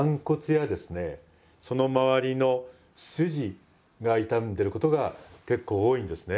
その周りの筋が傷んでることが結構多いんですね。